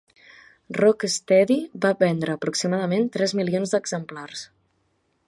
"Rock Steady" va vendre aproximadament tres milions d'exemplars.